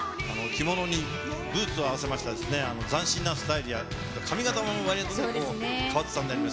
着物にブーツを合わせました斬新なスタイルや髪形も割合と変わったもので。